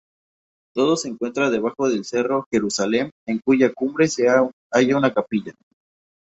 Todo se encuentra debajo del Cerro Jerusalem en cuya cumbre se haya una capilla.